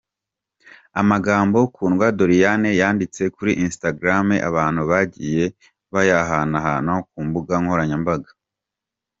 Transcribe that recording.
Amagambo Kundwa Doriane yanditse kuri Instagram abantu bagiye bayahanahana ku mbuga nkoranyambaga.